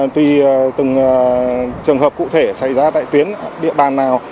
tùy từng trường hợp cụ thể xảy ra tại tuyến địa bàn nào